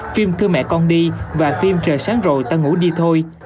phim thưa mẹ con đi và phim trời sáng rồi ta ngủ đi thôi